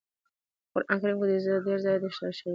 په قران کريم کي ډير ځايه دې خبرې ته اشاره شوي